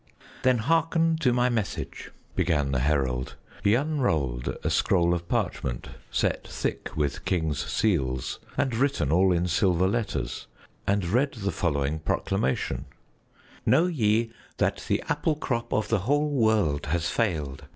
"Then hearken to my message," began the herald. He unrolled a scroll of parchment, set thick with king's seals and written all in silver letters, and read the following proclamation: "Know ye that the apple crop of the whole world has failed.